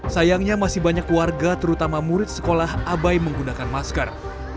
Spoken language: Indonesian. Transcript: sayangnya masih banyak warga terutama murid sekolah abai menggunakan masker